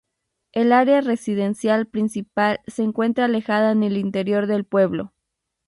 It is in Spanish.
El área residencial principal se encuentra alejada en el interior del pueblo.